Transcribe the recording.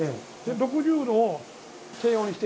６０℃を低温にして。